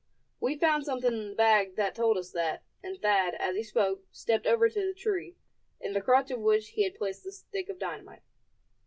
"We found something in the bag that told us that," and Thad, as he spoke, stepped over to the tree, in the crotch of which he had placed the stick of dynamite.